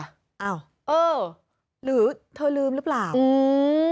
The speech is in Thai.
อ้าวเออหรือเธอลืมหรือเปล่าอืม